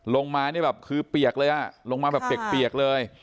ลงมานี่แบบคือเปียกเลยอ่ะลงมาแบบเปียกเลย